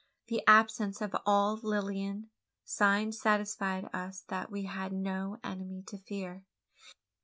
The absence of all Lilian sign satisfied us that we had no enemy to fear.